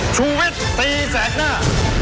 ชูเวทตีแสดหน้า